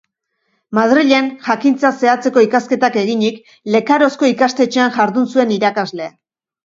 Madrilen Jakintza zehatzetako ikasketak eginik, Lekarozko ikastetxean jardun zuen irakasle.